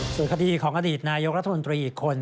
ส่วนคดีของอดีตนายกรัฐมนตรีอีกคน